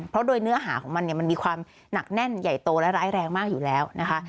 เพราะโดยเนื้อหาของมันเนี่ยมันมีความหนักแน่นใหญ่โตและร้ายแรงมากอยู่แล้วนะคะ